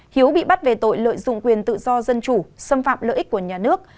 hiếu bị bắt về tội lợi dụng quyền tự do dân chủ xâm phạm lợi ích của nhà nước